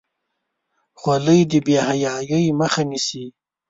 خولۍ د بې حیايۍ مخه نیسي.